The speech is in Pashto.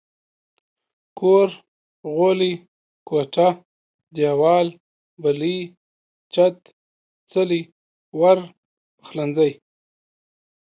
کور ، غولی، کوټه، ديوال، بلۍ، چت، څلی، ور، پخلنځي